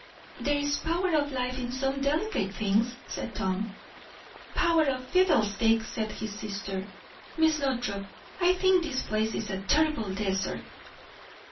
"There is a power of life in some delicate things," said Tom. "Power of fiddlestick!" said his sister. "Miss Lothrop, I think this place is a terrible desert!"